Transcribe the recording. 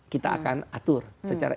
kita akan atur secara